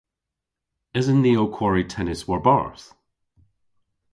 Esen ni ow kwari tennis war-barth?